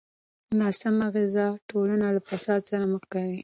ناسمه غذا ټولنه له فساد سره مخ کوي.